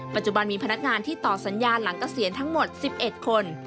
ปัจจุบันมีพนักงานที่ต่อสัญญาหลังเกษียณทั้งหมด๑๑คน